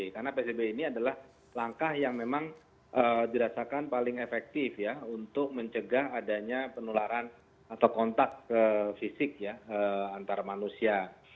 karena psbb ini adalah langkah yang memang dirasakan paling efektif ya untuk mencegah adanya penularan atau kontak fisik ya antar manusia